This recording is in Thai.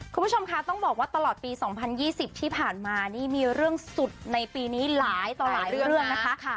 คุณผู้ชมคะต้องบอกว่าตลอดปี๒๐๒๐ที่ผ่านมานี่มีเรื่องสุดในปีนี้หลายต่อหลายเรื่องนะคะ